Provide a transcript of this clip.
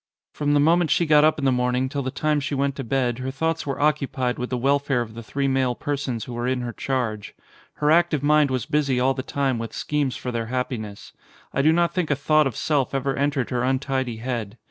From the moment she got up in the morning till the time she went to bed her thoughts were occupied with the welfare of the three male persons who were in her charge. Her active mind was busy all the time with schemes for their happiness. I do not think a thought of self ever entered her untidy head.